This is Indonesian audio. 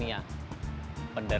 ketika dia menemukan ubed